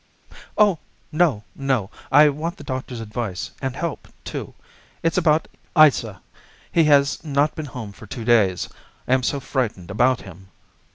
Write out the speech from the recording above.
"Oh, no, no! I want the doctor's advice and help, too. It's about Isa. He has not been home for two days. I am so frightened about him!"